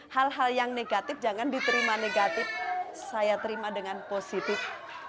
hal hal yang negatif jangan diterima negatif saya terima dengan positif